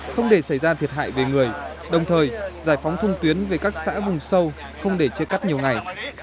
không để xảy ra thiệt hại về người đồng thời giải phóng thông tuyến về các xã vùng sâu không để chia cắt nhiều ngày